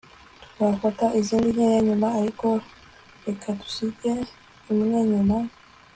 twafata izindi nkeya nyuma, ariko reka dusige imwe inyuma